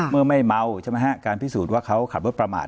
เมื่อไม่เมาการพิสูจน์ว่าเขาขับรถประมาท